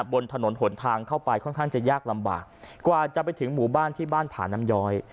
บนถนนหนทางเข้าไปค่อนข้างจะยากลำบากกว่าจะไปถึงหมู่บ้านที่บ้านผาน้ำย้อย